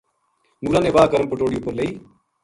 نُورا نے واہ گرم پٹوڑی اُپر لئی